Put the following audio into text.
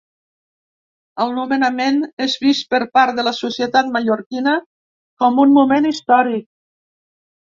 El nomenament és vist per part de la societat mallorquina com un moment històric.